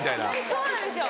そうなんですよ